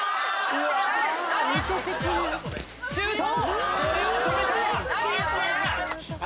シュート！